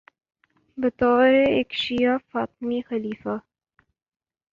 بطور ایک شیعہ فاطمی خلیفہ